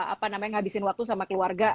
apa namanya ngabisin waktu sama keluarga